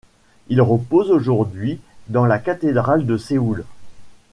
Il repose aujourd'hui dans la cathédrale de Séoul.